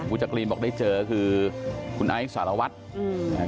คุณจักรีนบอกได้เจอคือคุณไอซ์สารวัตร